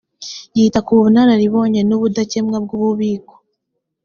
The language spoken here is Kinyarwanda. yita ku bunararibonye n’ubudakemwa bw’ububiko